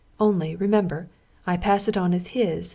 Only, remember, I pass it on as his.